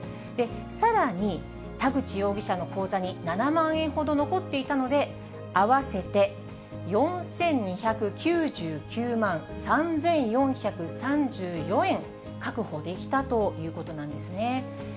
さらに田口容疑者の口座に７万円ほど残っていたので、合わせて４２９９万３４３４円、確保できたということなんですね。